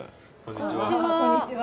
こんにちは。